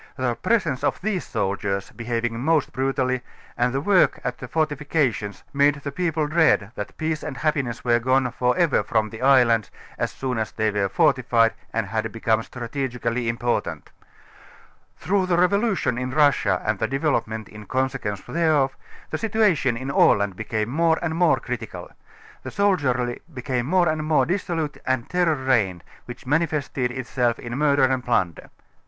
The presence of these soldiei┬╗s, be having most brutallj^ and the work at the fortifications, made the people dread, that peace and happiness were gone for ever from the islands as soon as they were fortified and had become strategically important. Through the revolution in Russia and the developement in consequence thereof, the situation in Aland became more and more critical. The soldiery became more and more dis solute and a terror reigned, which manifested itself in mur der and plunder.